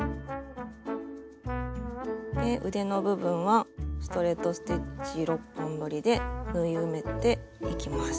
腕の部分はストレート・ステッチ６本どりで縫い埋めていきます。